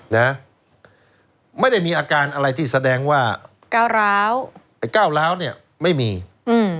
นะไม่ได้มีอาการอะไรที่แสดงว่าก้าวร้าวไอ้ก้าวร้าวเนี้ยไม่มีอืม